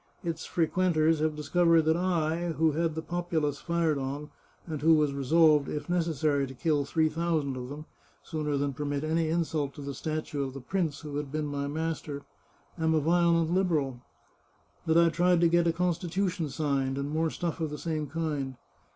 Its fre quenters have discovered that I, who had the populace fired on, and who was resolved, if necessary, to kill three thousand of them, sooner than permit any insult to the statue of the prince, who had been my master, am a violent Liberal; that I tried to get a constitution signed, and more stuff of the same kind.